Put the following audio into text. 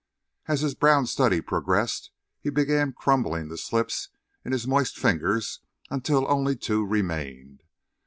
As his brown study progressed, he began crumpling the slips in his moist fingers until only two remained.